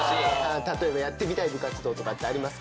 例えばやってみたい部活動とかってありますか？